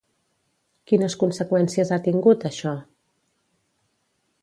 Quines conseqüències ha tingut, això?